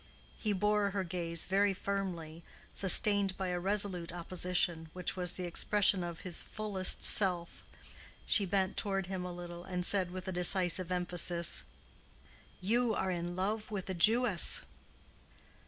He bore her gaze very firmly, sustained by a resolute opposition, which was the expression of his fullest self. She bent toward him a little, and said, with a decisive emphasis, "You are in love with a Jewess."